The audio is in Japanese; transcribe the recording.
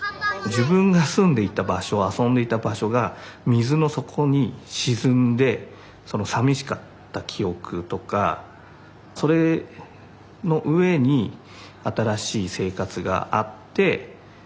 自分が住んでいた場所遊んでいた場所が水の底に沈んでさみしかった記憶とかそれの上に新しい生活があってそっちも楽しいんだよと。